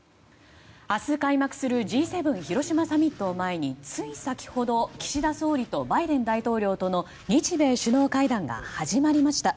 明日開幕するＧ７広島サミットを前につい先ほど岸田総理とバイデン大統領との日米首脳会談が始まりました。